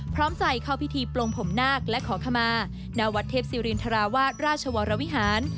พร้อมใจเข้าพิธีปลงผมนาคและขอขมาณวัดเทพศิรินทราวาสราชวรวิหาร